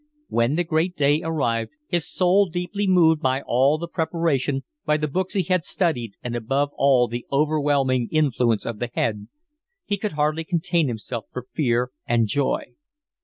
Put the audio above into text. When the great day arrived, his soul deeply moved by all the preparation, by the books he had studied and above all by the overwhelming influence of the head, he could hardly contain himself for fear and joy.